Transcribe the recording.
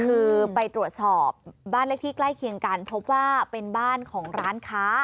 คือไปตรวจสอบบ้านเลขที่ใกล้เคียงกันพบว่าเป็นบ้านของร้านค้า